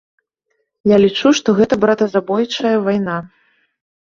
Я лічу, што гэта братазабойчая вайна.